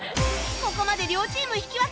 ここまで両チーム引き分け